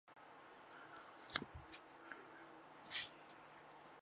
中国近代著名的建筑师。